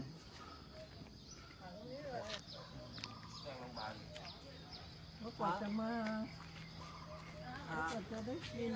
ขอบคุณครับ